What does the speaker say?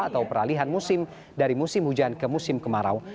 atau peralihan musim dari musim hujan ke musim kemarau